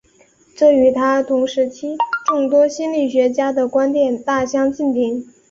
这与他同时期众多心理学家的观点大相径庭。